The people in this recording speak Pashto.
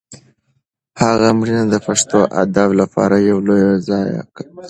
د هغه مړینه د پښتو ادب لپاره یوه لویه ضایعه ده.